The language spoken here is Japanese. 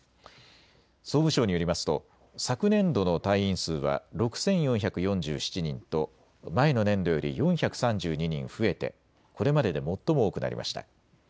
総務省によりますと昨年度の隊員数は６４４７人と前の年度より４３２人増えてこれまでで最も多くなりました。